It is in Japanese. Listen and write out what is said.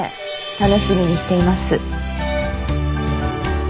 楽しみにしています。